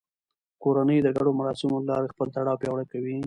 کورنۍ د ګډو مراسمو له لارې خپل تړاو پیاوړی کوي